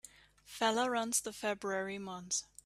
Feller runs the February months.